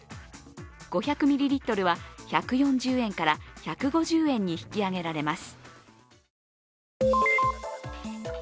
５００ミリリットルは１４０円から１５０円に引き上げられます。